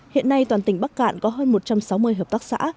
hiện nay toàn tỉnh bắc cạn có hơn một trăm sáu mươi hợp tác xã